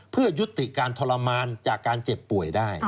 เพื่อยุติการทรมานจากการเจ็บป่วยได้